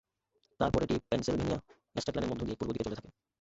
তারপর এটি Pennsylvania state লাইনের মধ্য দিয়ে পূর্বদিকে চলতে থাকে।